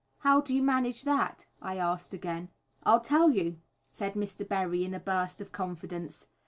"How do you manage that?" I asked again. "I'll tell you," said Mr. Berry in a burst of confidence.